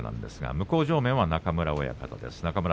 向正面、中村親方です。